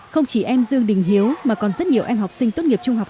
không chỉ em dương bình hiếu mà còn rất nhiều em học sinh tốt nghiệp trung cấp nghề